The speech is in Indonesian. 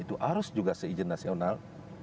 itu harus juga seizin nasional